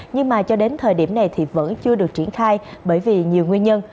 nhưng mà cho đến thời điểm này thì vẫn chưa được triển khai bởi vì nhiều nguyên nhân